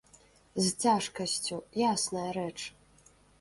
З цяжкасцю, ясная рэч.